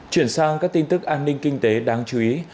chuyển sang các tin tức an ninh kinh tế đáng chú ý